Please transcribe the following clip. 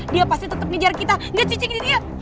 dia pasti tetep ngejar kita nggak cicing ini dia